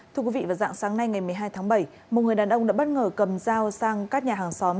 thưa quý vị vào dạng sáng nay ngày một mươi hai tháng bảy một người đàn ông đã bất ngờ cầm dao sang các nhà hàng xóm